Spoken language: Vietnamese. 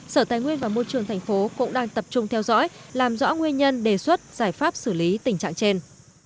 sở tài nguyên và môi trường thành phố cũng đang tập trung theo dõi làm rõ nguyên nhân đề xuất giải pháp xử lý tình trạng trên